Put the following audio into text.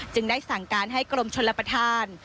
จึงได้สั่งการให้กรมชลประธาน